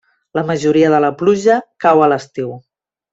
La majoria de la pluja cau a l'estiu.